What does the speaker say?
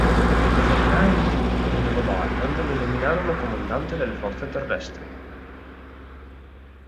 I governanti del Rhode Island lo nominarono comandante delle forze terrestri.